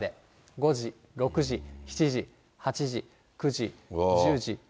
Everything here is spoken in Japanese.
５時、６時、７時、８時、９時、１０時。